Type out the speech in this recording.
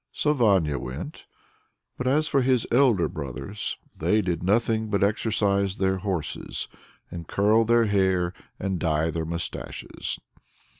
So Vanya went. But as for his elder brothers they did nothing but exercise their horses, and curl their hair, and dye their mustaches.